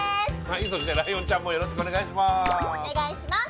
そしてライオンちゃんもよろしくお願いします。